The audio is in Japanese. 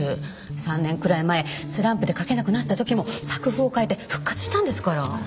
３年くらい前スランプで書けなくなった時も作風を変えて復活したんですから。